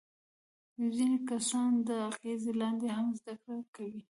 ځینې کسان د اغیز لاندې هم زده کړه کوي.